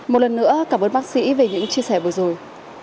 một lần nữa cảm ơn bác sĩ về những chia sẻ vừa rồi